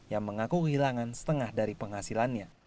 yang mengaku kehilangan setengah dari penghasilannya